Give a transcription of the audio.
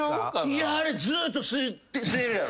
いやあれずっと吸えるやろ。